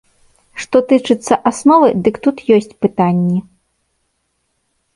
Што тычыцца асновы, дык тут ёсць пытанні.